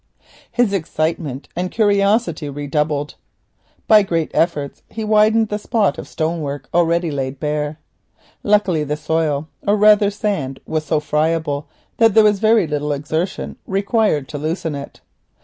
His excitement and curiosity redoubled. By great efforts he widened the spot of stonework already laid bare. Luckily the soil, or rather sand, was so friable that there was very little exertion required to loosen it.